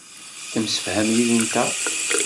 Temsefham yid-nteɣ.